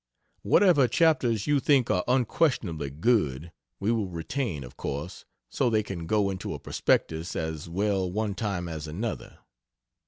Whatever chapters you think are unquestionably good, we will retain of course, so they can go into a prospectus as well one time as another.